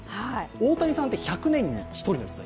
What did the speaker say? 大谷さんって１００年に一人の逸材。